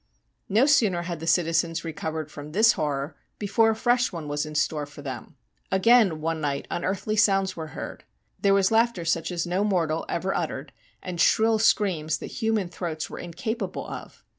No sooner had the citizens recovered from this horror before a fresh one was in store for them. Again one night unearthly sounds were heard. There was laughter such as no mortal ever uttered, and shrill screams that human throats were incapable of.